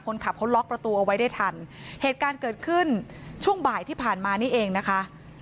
คนขับเขาล็อกประตูเอาไว้ได้ทันเหตุการณ์เกิดขึ้นช่วงบ่ายที่ผ่านมานี่เองนะคะ